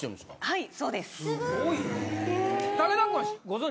はい。